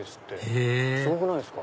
へぇすごくないっすか？